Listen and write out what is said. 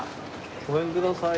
ごめんください。